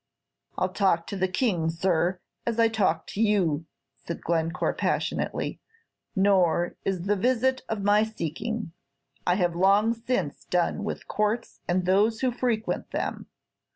"I'll talk to the King, sir, as I talk to you," said Glencore, passionately; "nor is the visit of my seeking. I have long since done with courts and those who frequent them.